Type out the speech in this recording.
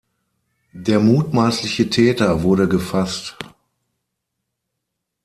Der mutmaßliche Täter wurde gefasst.